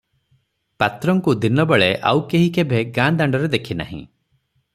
ପାତ୍ରଙ୍କୁ ଦିନବେଳେ ଆଉ କେହି କେଭେ ଗାଁ ଦାଣ୍ଡରେ ଦେଖିନାହିଁ ।